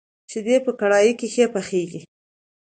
شيدې په کړايي کي ښه پخېږي.